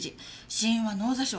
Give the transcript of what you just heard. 死因は脳挫傷。